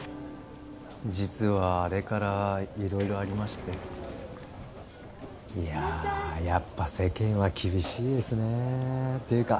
実はあれから色々ありましていややっぱ世間は厳しいですねていうか